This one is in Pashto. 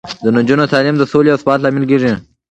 د نجونو تعلیم د سولې او ثبات لامل کیږي.